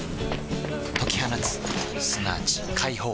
解き放つすなわち解放